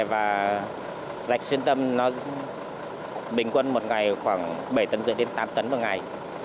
và rạch xuyên tâm nó bình quân một ngày khoảng bảy tấn rưỡi đến tám tấn một ngày